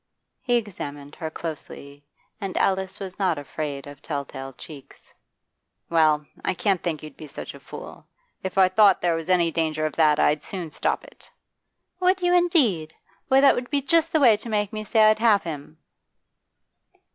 He examined her closely, and Alice was not afraid of telltale cheeks. 'Well, I can't think you'd be such a fool. If I thought there was any danger of that, I'd soon stop it.' 'Would you, indeed! Why, that would be just the way to make me say I'd have him.